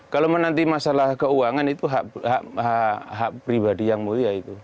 kalau menanti masalah keuangan itu hak pribadi yang mulia itu